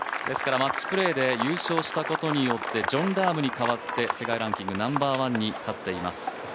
マッチプレーで優勝したことによって、ジョン・ラームに代わって世界ランキングナンバーワンに立っています。